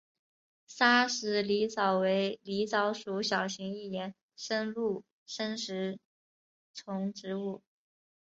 砂石狸藻为狸藻属小型一年生陆生食虫植物。